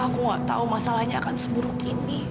aku nggak tahu masalahnya akan seburuk ini